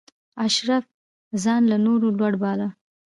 اشراف ځان له نورو لوړ باله.